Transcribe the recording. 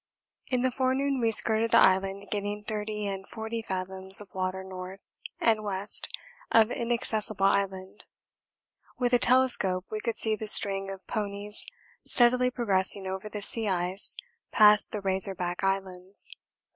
In the forenoon we skirted the Island, getting 30 and 40 fathoms of water north and west of Inaccessible Island. With a telescope we could see the string of ponies steadily progressing over the sea ice past the Razor Back Islands.